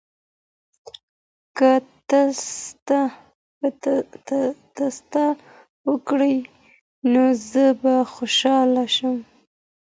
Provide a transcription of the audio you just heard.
که تسته وکړې نو زه به خوشاله شم.